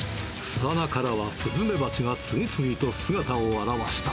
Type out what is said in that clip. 巣穴からはスズメバチが次々と姿を現した。